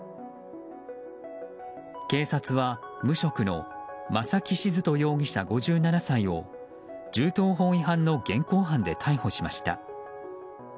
警察は無職の正木閑人容疑者、５７歳を銃刀法違反の現行犯で逮捕しました。